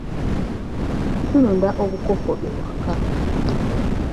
Tulunda obukoko ewaka.